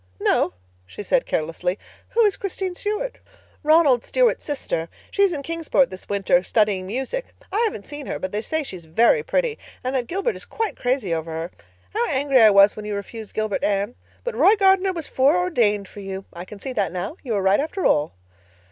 "No," she said carelessly. "Who is Christine Stuart?" "Ronald Stuart's sister. She's in Kingsport this winter studying music. I haven't seen her, but they say she's very pretty and that Gilbert is quite crazy over her. How angry I was when you refused Gilbert, Anne. But Roy Gardner was foreordained for you. I can see that now. You were right, after all."